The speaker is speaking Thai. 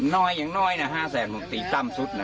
น้อยอย่างน้อยนะ๕แสนบอกตีตั้มสุดนะ